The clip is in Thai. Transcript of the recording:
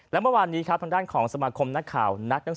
แล้วเมื่อวานนี้ครับด้านของสมาคมนักข่าว